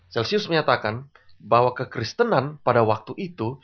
celcius menyatakan bahwa kekristenan pada waktu itu